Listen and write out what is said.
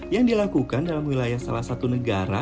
yang dilakukan dalam wilayah salah satu negara